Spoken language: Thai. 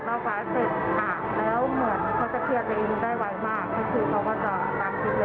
ก็คือไปแล้วก็เห็นว่ามีอีกคนนึงอืมเขามาแค่คนเดียว